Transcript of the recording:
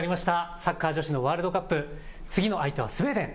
サッカー女子のワールドカップ、次の相手はスウェーデン。